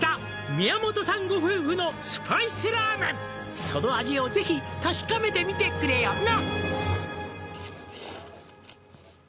「宮本さんご夫婦のスパイスラーメン」「その味をぜひ確かめてみてくれよな」